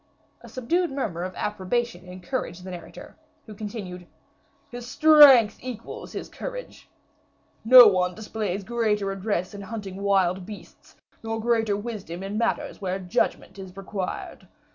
A subdued murmur of approbation encouraged the narrator, who continued: "His strength equals his courage; no one displays greater address in hunting wild beasts, nor greater wisdom in matters where judgment is required.